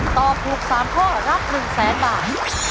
ต่อปลูกสามข้อรับหนึ่งแสนบาท